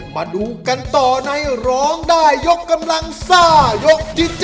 มาดูกันต่อในร้องได้ยกกำลังซ่ายกที่๗